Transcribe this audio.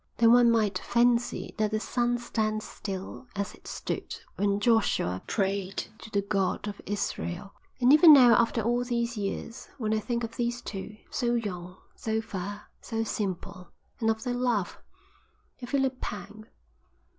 Then one might fancy that the sun stands still as it stood when Joshua prayed to the God of Israel." "And even now after all these years, when I think of these two, so young, so fair, so simple, and of their love, I feel a pang.